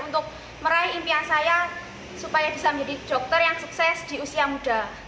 untuk meraih impian saya supaya bisa menjadi dokter yang sukses di usia muda